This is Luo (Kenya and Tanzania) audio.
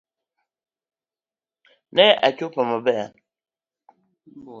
Ne achopo maber